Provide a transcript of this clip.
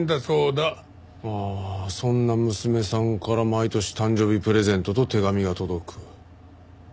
ああそんな娘さんから毎年誕生日プレゼントと手紙が届く。